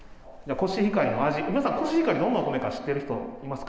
コシヒカリどんなお米か知ってる人いますか？